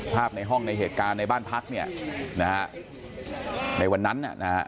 ภาพในห้องในเหตุการณ์ในบ้านพักษ์เนี่ยในวันนั้นนะ